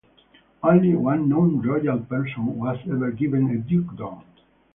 Only one non-royal person was ever given a dukedom.